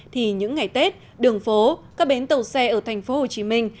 thì những ngày tết đường phố các bến tàu xe ở thành phố hồ chí minh